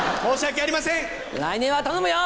来年は頼むよ！